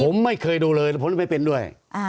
ผมไม่เคยดูเลยแล้วผมไม่เป็นด้วย